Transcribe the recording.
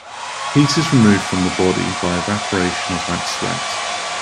Heat is removed from the body by evaporation of that sweat.